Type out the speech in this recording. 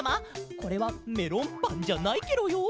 これはメロンパンじゃないケロよ。